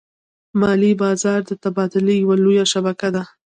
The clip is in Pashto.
مالي بازار د تبادلې یوه لویه شبکه ده.